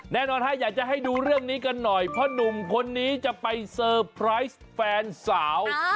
แน่นอนฮะอยากจะให้ดูเรื่องนี้กันหน่อยเพราะหนุ่มคนนี้จะไปเซอร์ไพรส์แฟนสาว